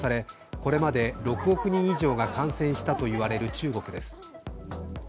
これまで６億人以上が感染したといわれる中国です。